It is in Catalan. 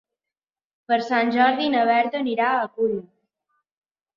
Per Sant Jordi na Berta anirà a Culla.